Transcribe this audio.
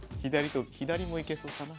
左もいけそうかな。